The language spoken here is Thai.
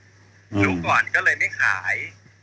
ยุคก่อนก็เลยไม่ขาย